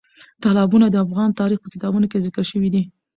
تالابونه د افغان تاریخ په کتابونو کې ذکر شوی دي.